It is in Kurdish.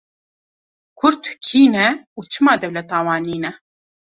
Kurd kî ne, û çima dewleta wan nîne?